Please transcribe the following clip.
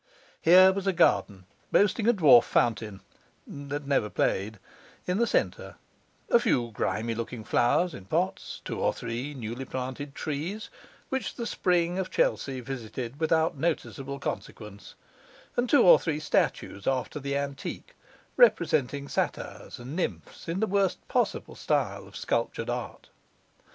Here was a garden, boasting a dwarf fountain (that never played) in the centre, a few grimy looking flowers in pots, two or three newly planted trees which the spring of Chelsea visited without noticeable consequence, and two or three statues after the antique, representing satyrs and nymphs in the worst possible style of sculptured art.